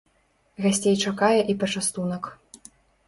Гасцей чакае і пачастунак.